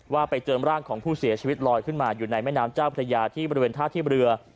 ว่าไปเจอร่างของผู้เสียชีวิตลอยขึ้นมาอยู่ในแม่น้ำเจ้าพระยาที่บริเวณท่าเทียบเรือ